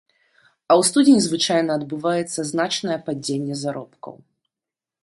А ў студзені звычайна адбываецца значнае падзенне заробкаў.